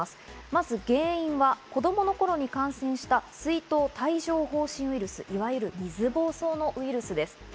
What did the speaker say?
まず原因は子供の頃に感染した水痘帯状疱疹ウイルス、いわゆる水ぼうそうのウイルスです。